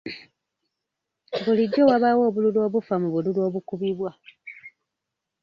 Bulijjo wabaawo obululu obufa mu bululu obukubibwa.